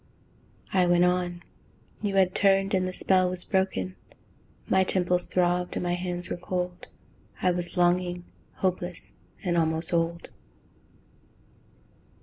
I went on: you had turned and the spell was broken. My temples throbbed, and my hands were cold. I was longing, hopeless, and almost old.